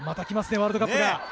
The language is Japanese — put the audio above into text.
ワールドカップが。